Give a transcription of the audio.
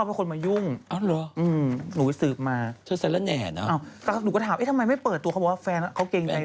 ค่ะมันต้องมายุ่งค่ะเขาอยากได้อยู่อย่างนี้อะไรอย่างนี้